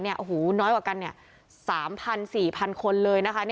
โอ้โหน้อยกว่ากัน๓๐๐๔๐๐คนเลยนะคะ